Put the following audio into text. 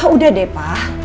udah deh pak